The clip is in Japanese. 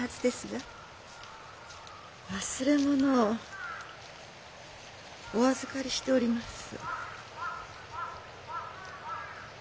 忘れ物をお預かりしております。